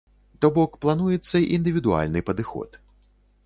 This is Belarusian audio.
То бок плануецца індывідуальны падыход.